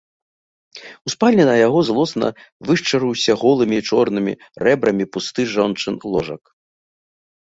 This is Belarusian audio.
У спальні на яго злосна вышчарыўся голымі чорнымі рэбрамі пусты жончын ложак.